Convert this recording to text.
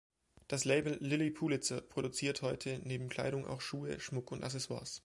Das Label "Lilly Pulitzer" produziert heute neben Kleidung auch Schuhe, Schmuck und Accessoires.